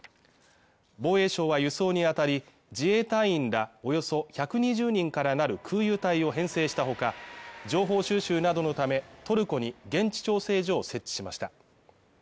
防衛省は輸送に当たり自衛隊員らおよそ１２０人からなる空輸隊を編成したほか情報収集などのためトルコに現地調整所を設置しました